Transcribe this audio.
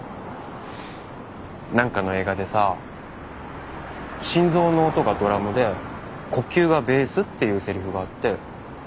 何かの映画でさ心臓の音がドラムで呼吸がベースっていうセリフがあって。